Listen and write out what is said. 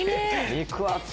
肉厚！